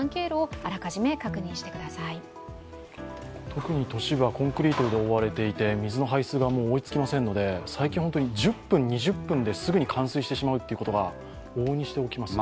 特に都市部はコンクリートで覆われていて水の排水が追いつきませんので最近は１０分、２０分ですぐに冠水してしまうことが往々にして起きます。